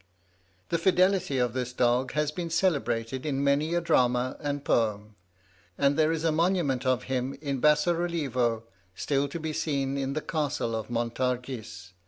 The fidelity of this dog has been celebrated in many a drama and poem, and there is a monument of him in basso relievo still to be seen in the castle of Montargis.